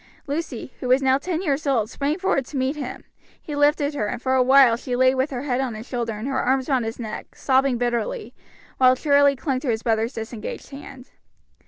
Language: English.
Lucy, who was now ten years old, sprang forward to meet him; he lifted her, and for awhile she lay with her head on his shoulder and her arms round his neck, sobbing bitterly, while Charlie clung to his brother's disengaged hand.